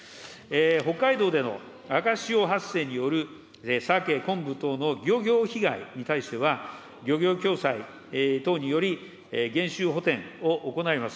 北海道での赤潮発生によるサケ、昆布等の漁業被害に対しては、漁業共済等により、減収補填を行います。